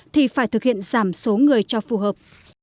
thì phải thực hiện giảm số người cho phù hợp